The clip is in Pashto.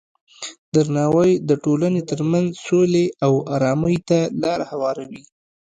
درناوی د ټولنې ترمنځ سولې او ارامۍ ته لاره هواروي.